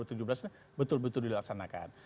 tujuh dua ribu tujuh belas ini betul betul dilaksanakan